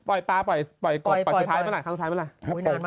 โอ๊ยตายตายตาย